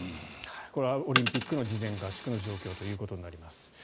これはオリンピックの事前合宿の状況となります。